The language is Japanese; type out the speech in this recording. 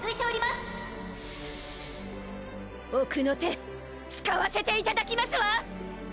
すう奥の手使わせていただきますわ！